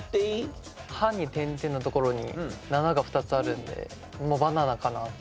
「ハ」に点々のところに「七」が２つあるのでバナナかなって。